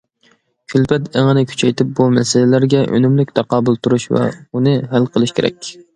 كۈلپەت ئېڭىنى كۈچەيتىپ، بۇ مەسىلىلەرگە ئۈنۈملۈك تاقابىل تۇرۇش ۋە ئۇنى ھەل قىلىش كېرەك.